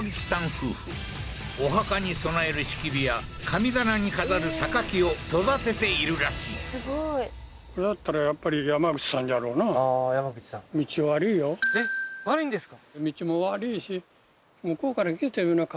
夫婦お墓に供える櫁や神棚に飾る榊を育てているらしいすごいああーヤマグチさんえっ悪いんですか？